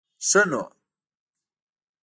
ښه نو.